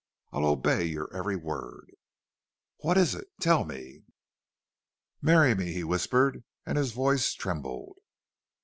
I'll obey your every word." "What is it? Tell me!" "Marry me!" he whispered, and his voice trembled.